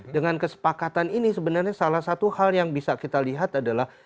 dengan kesepakatan ini sebenarnya salah satu hal yang bisa kita lihat adalah